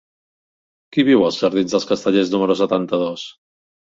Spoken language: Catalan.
Qui viu als jardins dels Castellers número setanta-dos?